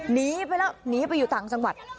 หนีไปแล้วหนีไปอยู่ต่างจังหวัด